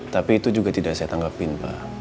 tapi itu juga tidak saya tanggapin pak